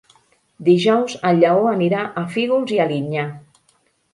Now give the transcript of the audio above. Dijous en Lleó anirà a Fígols i Alinyà.